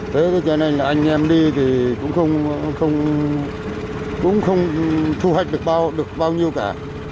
thế cho nên là anh em đi thì cũng không thu hoạch được bao nhiêu cả